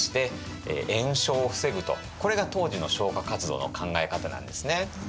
これが当時の消火活動の考え方なんですね。